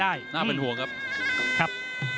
นักมวยจอมคำหวังเว่เลยนะครับ